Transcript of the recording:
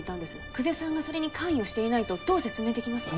久世さんがそれに関与していないとどう説明できますか？